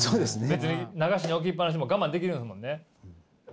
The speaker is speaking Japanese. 別に流しに置きっ放しでも我慢できるんですもんね？